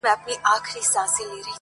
زنګ وهلی د خوشال د توري شرنګ یم,